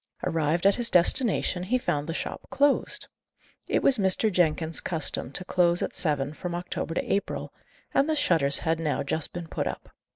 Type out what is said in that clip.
Arrived at his destination, he found the shop closed. It was Mrs. Jenkins's custom to close at seven from October to April; and the shutters had now just been put up.